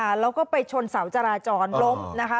แล้วก็ไปชนเสาจราจรล้มนะคะ